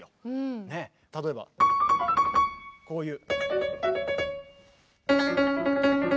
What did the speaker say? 例えばこういう。